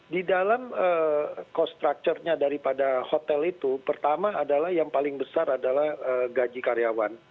di dalam cost structure nya daripada hotel itu pertama adalah yang paling besar adalah gaji karyawan